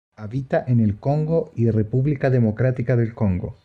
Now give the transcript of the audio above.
Habita en el Congo y República Democrática del Congo.